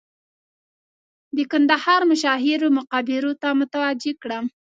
د کندهار مشاهیرو مقبرو ته متوجه کړم.